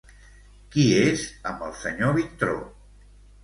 Qui és amb el senyor Vintró?